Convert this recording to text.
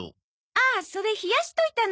ああそれ冷やしておいたの。